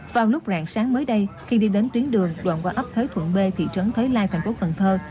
vào lúc rạng sáng mới đây khi đi đến tuyến đường đoạn qua ấp thới thuận b thị trấn thới lai thành phố cần thơ